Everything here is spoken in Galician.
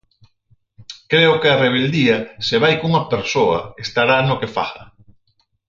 Creo que a rebeldía, se vai cunha persoa, estará no que faga.